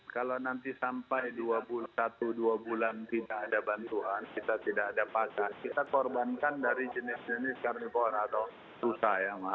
kalau nanti sampai dua puluh satu dua puluh dua bulan tidak ada bantuan kita tidak ada pasal kita korbankan dari jenis jenis carnivore atau rusa